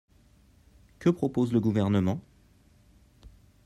Que propose le Gouvernement?